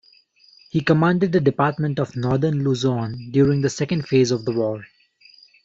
He commanded the Department of Northern Luzon during the second phase of the war.